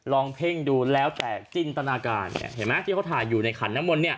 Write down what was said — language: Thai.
เพ่งดูแล้วแต่จินตนาการเห็นไหมที่เขาถ่ายอยู่ในขันน้ำมนต์